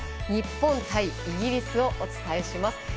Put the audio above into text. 日本対イギリスをお伝えします。